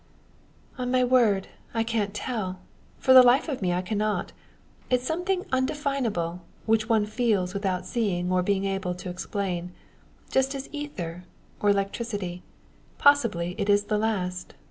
"On my word, I can't tell for the life of me I cannot. It's something undefinable; which one feels without seeing or being able to explain just as ether, or electricity. Possibly it is the last.